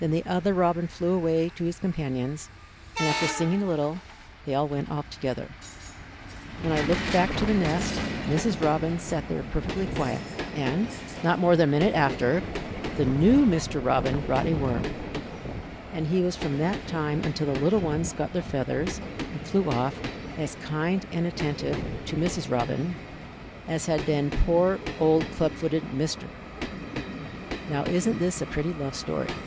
Then the other robin flew away to his companions, and after singing a little, they all went off together. "When I looked back to the nest, Mrs. Robin sat there perfectly quiet, and, not more than a minute after, the new Mr. Robin brought a worm, and he was from that time until the little ones got their feathers and flew off as kind and attentive to Mrs. Robin as had been poor old club footed Mr. "Now isn't this a pretty love story?"